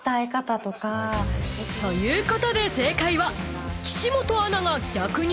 ［ということで正解は］